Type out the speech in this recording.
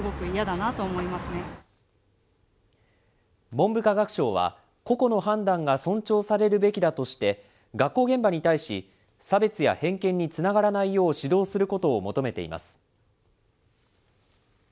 文部科学省は、個々の判断が尊重されるべきだとして、学校現場に対し、差別や偏見につながらないよう指導することを求めています。